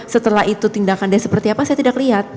setelah itu tindakan dia seperti apa saya tidak lihat